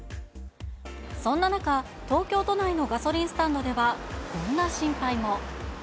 そんな中、東京都内のガソリンスタンドではこんな心配も。